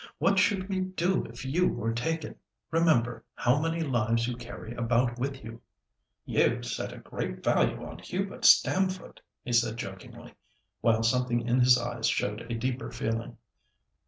What should we do if you were taken? Remember how many lives you carry about with you." "You set a great value on Hubert Stamford," he said jokingly, while something in his eyes showed a deeper feeling.